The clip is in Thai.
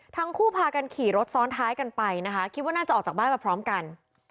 ทั้งคู่พากันขี่รถซ้อนท้ายกันไปนะคะคิดว่าน่าจะออกจากบ้านมาพร้อมกัน